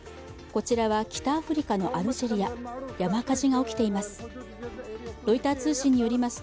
こちらは、北アフリカのアルジェリア、山火事が起きています。